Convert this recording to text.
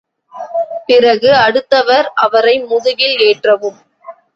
பிறகு அடுத்தவர் அவரை முதுகில் ஏற்றவும்.